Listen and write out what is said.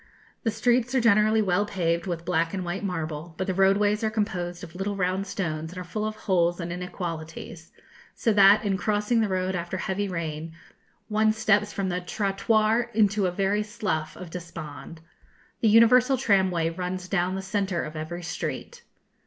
The streets are generally well paved with black and white marble, but the roadways are composed of little round stones, and are full of holes and inequalities, so that, in crossing the road after heavy rain, one steps from the trottoir into a very slough of despond. The universal tramway runs down the centre of every street.